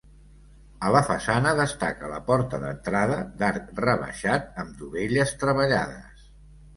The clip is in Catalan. A la façana, destaca la porta d'entrada d'arc rebaixat amb dovelles treballades.